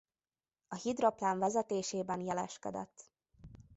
A hidroplán vezetésében jeleskedett.